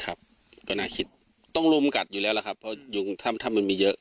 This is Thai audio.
ครับก็น่าคิดต้องรุมกัดอยู่แล้วแหละครับเพราะยุงถ้ามันมีเยอะ